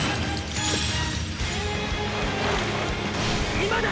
今だ！